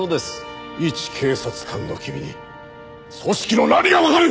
いち警察官の君に組織の何がわかる！？